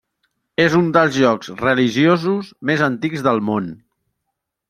És un dels llocs religiosos més antics del món.